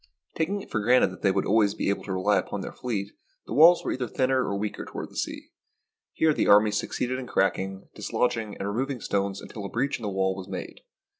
Taking it for granted that they would always be able to rely upon their fleet, the walls were either thinner or weaker toward the sea. Here the armies succeeded in cracking, dislodging, and removing stones until a breach in the wall was made.